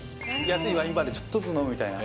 安いワインバーでちょっとずつ飲むみたいな。